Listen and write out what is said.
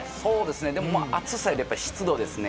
でも、暑さより湿度ですね。